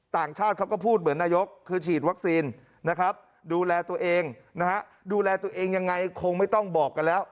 ต่างชาติเขาก็พูดเหมือนนายกคือฉีดวัคซีนนะครับดูแลตัวเองนะฮะดูแลตัวเองยังไงคงไม่ต้องบอกกันแล้ว